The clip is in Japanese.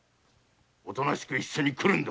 おとなしく一緒に来るのだ。